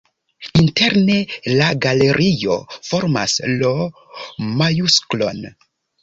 Interne la galerio formas L-majusklon.